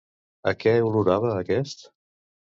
A què olorava aquest?